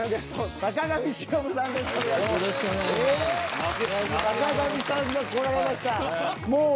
坂上さんが来られました。